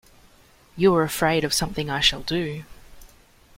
You are afraid of something I shall do.